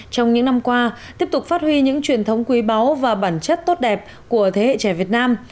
trong những năm qua tiếp tục phát huy những truyền thống quý báu và bản chất tốt đẹp của thế hệ trẻ việt nam